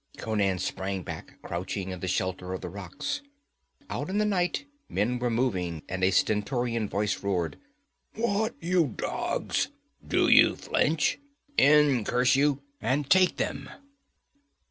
Conan sprang back, crouching in the shelter of the rocks. Out in the night men were moving and a stentorian voice roared: 'What, you dogs! Do you flinch? In, curse you, and take them!'